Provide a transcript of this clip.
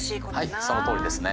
そのとおりですね。